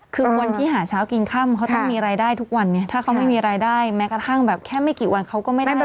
คือคนที่หาเช้ากินค่ำเขาต้องมีรายได้ทุกวันไงถ้าเขาไม่มีรายได้แม้กระทั่งแบบแค่ไม่กี่วันเขาก็ไม่ได้